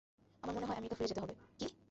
আমার মনে হয় আমেরিকা ফিরে যেতে হবে, - কি?